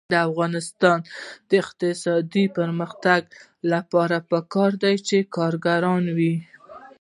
د افغانستان د اقتصادي پرمختګ لپاره پکار ده چې کارګران وي.